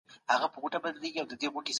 تاسو د دې جوګه یاست.